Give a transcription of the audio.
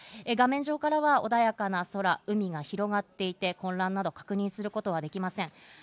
画面上からは穏やかな空、海が広がっていて、混乱などは確認することはできません。